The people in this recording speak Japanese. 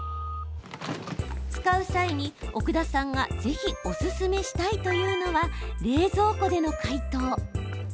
使う際に、奥田さんがぜひおすすめしたいというのは冷蔵庫での解凍。